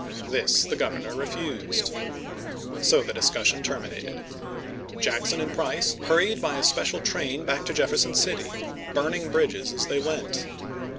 This the Governor refused. So the discussion terminated. Jackson and Price hurried by a special train back to Jefferson City, burn 1861. MissouEi 223 ing bridges as they went.